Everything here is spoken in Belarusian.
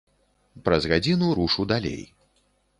Праз гадзіну рушу далей.